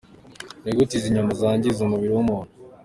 Ni gute izi nyama zangiza umubiri w’umuntu?.